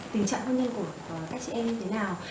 tình trạng con nhân của các chị em thế nào